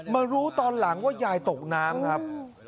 มารู้ตอนหลังว่ายายตกน้ำครับ